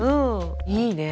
いいね。